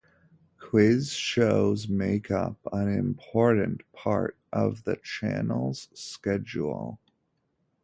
Quiz shows make up an important part of the channel's schedule.